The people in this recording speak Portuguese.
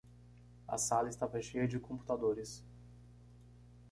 A sala estava cheia de computadores.